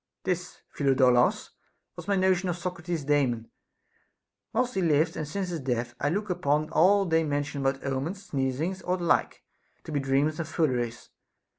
21. This, Phidolaus, was my notion of Socrates's Daemon, whilst he lived and since his death ; and ΐ look upon all they mention about omens, sneezings, or the like, to be dreams and fooleries.